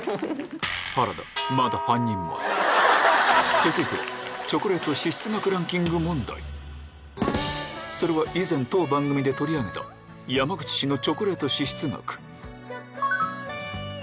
続いてはそれは以前当番組で取り上げた山口市のチョコレート支出額